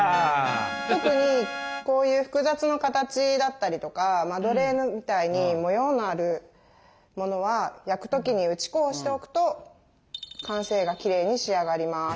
特にこういう複雑な形だったりとかマドレーヌみたいに模様のあるものは焼く時に打ち粉をしておくと完成がきれいに仕上がります。